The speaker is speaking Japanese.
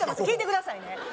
聞いてくださいね！